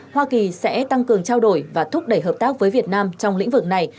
hoa kỳ sẽ tăng cường trao đổi và thúc đẩy hợp tác với việt nam trong lĩnh vực này